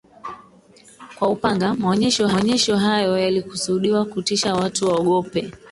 kwa upanga Maonyesho hayo yalikusudiwa kutisha watu waogope